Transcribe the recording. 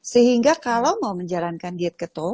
sehingga kalau mau menjalankan diet keto